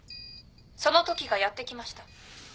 そのときがやって来ました。